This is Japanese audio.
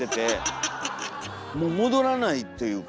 もう戻らないというか。